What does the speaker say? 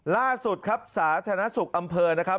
ล่าสุดครับสาธารณสุขอำเภอนะครับ